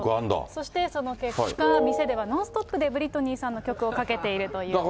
そしてその結果、店ではノンストップでブリトニーさんの曲をかけているということです。